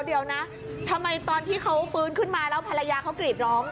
เดี๋ยวนะทำไมตอนที่เขาฟื้นขึ้นมาแล้วภรรยาเขากรีดร้อง